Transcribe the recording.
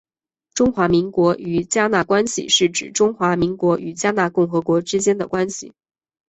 中华民国与迦纳关系是指中华民国与迦纳共和国之间的关系。